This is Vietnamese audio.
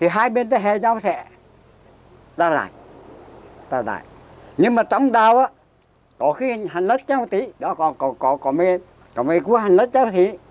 hai bên tới hẹn nhau sẽ đau lại đau lại nhưng mà trong đau á có khi hành lết nhau tí có mấy cú hành lết nhau tí